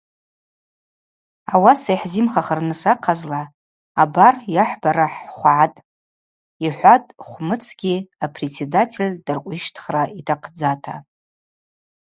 Ауаса йхӏзимхахырныс ахъазла абар йахӏбара хӏхвгӏатӏ,–йхӏватӏ Хвмыцгьи апредседатель дыркъвищтхра йтахъдзата.